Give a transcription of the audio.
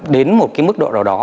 đến một cái mức độ nào đó